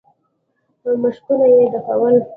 او مشکونه يې ډکول.